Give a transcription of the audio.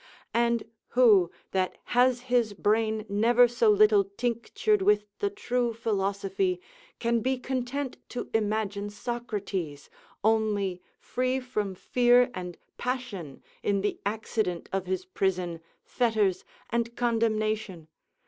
And who, that has his brain never so little tinctured with the true philosophy, can be content to imagine Socrates only free from fear and passion in the accident of his prison, fetters, and condemnation?